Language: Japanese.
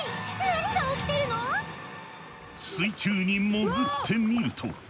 水中に潜ってみると。